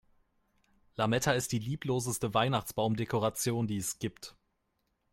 Lametta ist die liebloseste Weihnachtsbaumdekoration, die es gibt.